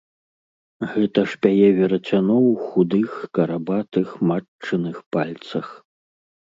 Гэта ж пяе верацяно ў худых карабатых матчыных пальцах.